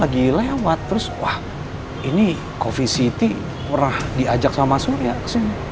lagi lewat terus wah ini coffee city pernah diajak sama surya kesini